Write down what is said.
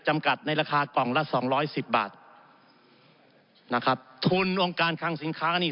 จำกัดในราคากล่องละสองร้อยสิบบาทนะครับทุนองค์การคังสินค้านี่